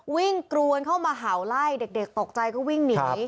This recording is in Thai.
กรวนเข้ามาเห่าไล่เด็กตกใจก็วิ่งหนี